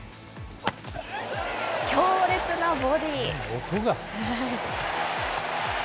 強烈なボディ。